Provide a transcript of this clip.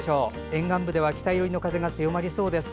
沿岸部では北寄りの風が強まりそうです。